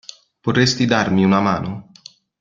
Potresti darmi una mano?